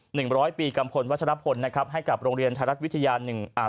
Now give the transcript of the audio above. ร้อยปีกัมพลวัชรพลนะครับให้กับโรงเรียนไทยรัฐวิทยาหนึ่งอ่า